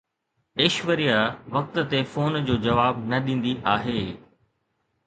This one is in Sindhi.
ايشوريا وقت تي فون جو جواب نه ڏيندي آهي